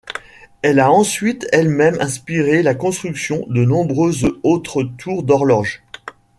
Elle a ensuite elle-même inspiré la construction de nombreuses autres tours d'horloges.